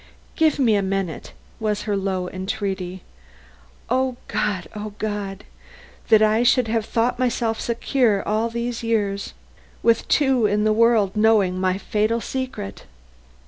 "Give me a minute," was her low entreaty. "O God! O God! that I should have thought myself secure all these years, with two in the world knowing my fatal secret!"